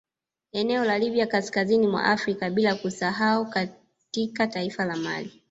Eneo la Libya kaskazini mwa Afrika bila kusahau katika taifa la mali